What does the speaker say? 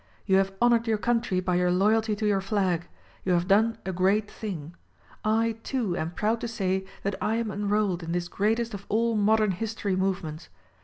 !— You have honored your country by your loyalty to your flag ; you have done a great thing. I, too, am proud to say that I am enrolled in this greatest of all modern history movements.